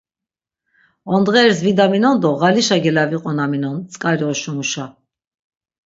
Ondğeris vidaminon do ğalişa gelaviqonaminon, tzk̆ari oşumuşa.